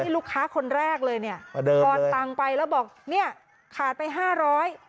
ลูกค้าคนแรกเลยทรอนตังไปแล้วบอกขาดไป๕๐๐เดิม